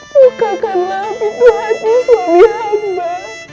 bukakanlah pintu hati suami hamba